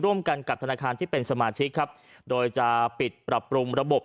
ร่วมกันกับธนาคารที่เป็นสมาชิกครับโดยจะปิดปรับปรุงระบบ